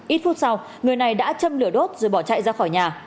ít phút sau người này đã châm lửa đốt rồi bỏ chạy ra khỏi nhà